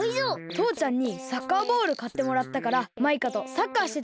とうちゃんにサッカーボールかってもらったからマイカとサッカーしてたんだ。